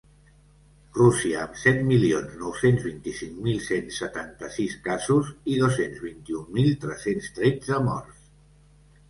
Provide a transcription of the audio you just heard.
Rússia, amb set milions nou-cents vint-i-cinc mil cent setanta-sis casos i dos-cents vint-i-un mil tres-cents tretze morts.